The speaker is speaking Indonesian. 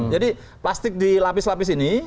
jadi plastik dilapis lapis ini